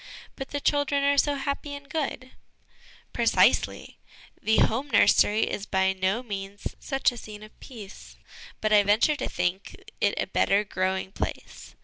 ' But the children are so happy and good !' Precisely ; the home nursery is by no means such a scene of peace, but I venture to think it a better growing place.